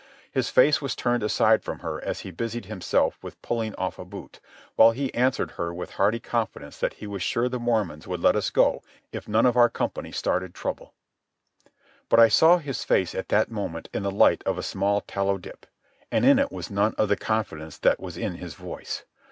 His face was turned aside from her as he busied himself with pulling off a boot, while he answered her with hearty confidence that he was sure the Mormons would let us go if none of our own company started trouble. But I saw his face at that moment in the light of a small tallow dip, and in it was none of the confidence that was in his voice.